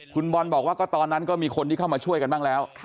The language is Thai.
คุณบอลบอกว่าก็ตอนนั้นก็มีคนที่เข้ามาช่วยกันบ้างแล้ว